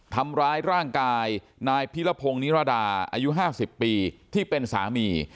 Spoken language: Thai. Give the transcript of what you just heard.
ทำร้ายร่างกายนายพิรพงศ์นิรดาอายุ๕๐ปีที่เป็นสามี